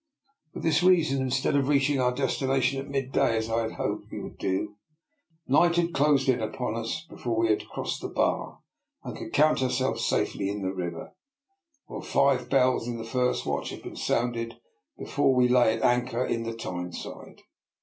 For this rea son, instead of reaching our destination at midday, as I had hoped we should do, night had closed in on us before we had crossed the bar and could count ourselves safely in the river, while five bells in the first watch had been sounded before we lay at anchor in the Tyneside.